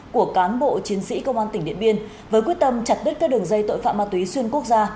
của cán bộ chiến sĩ công an tỉnh điện biên với quyết tâm chặt đứt các đường dây tội phạm ma túy xuyên quốc gia